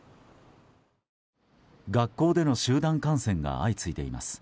学校での集団感染が相次いでいます。